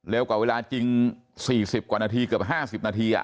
กว่าเวลาจริง๔๐กว่านาทีเกือบ๕๐นาที